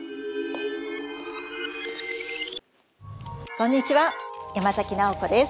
こんにちは山崎直子です。